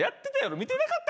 見てなかったんか？